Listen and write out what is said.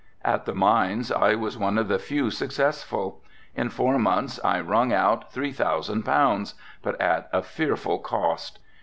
At the mines I was one of the few successful. In four months I wrung out three thousand pounds, but at a fearful cost.